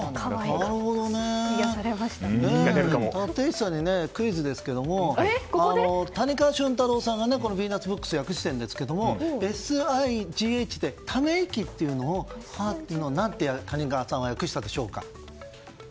立石さんにクイズですけど谷川俊太郎さんがこの「ピーナッツ」を訳しているんですけど「ＳＩＧＨ」のため息というのを何と訳したでしょうか？